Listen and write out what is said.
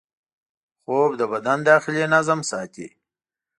خوب د بدن داخلي نظم ساتي